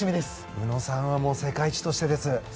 宇野さんは世界一としてです。